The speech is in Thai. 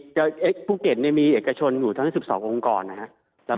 ก็ภูเก็ตมีเอกชนอยู่ทั้งทั้ง๑๒องค์กรนะฮะ